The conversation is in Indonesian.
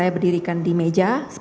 saya berdirikan di meja